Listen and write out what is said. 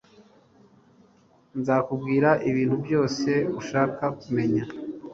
Nzakubwira ibintu byose ushaka kumenya.